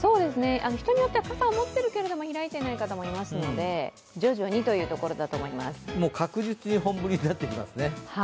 人によっては傘を持っているけれども、開いていない方もいますので、徐々にということだと思います確実に本降りになってきますね。